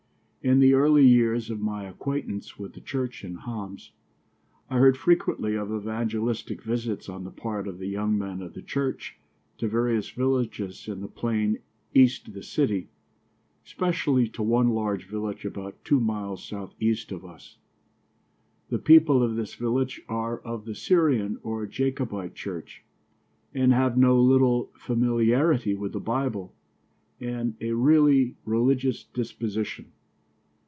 In the early years of my acquaintance with the church in Homs, I heard frequently of evangelistic visits on the part of the young men of the church to various villages in the plain east of the city especially to one large village about two miles southeast of us. The people of this village are of the Syrian or Jacobite church, and have no little familiarity with the Bible and a really religious disposition.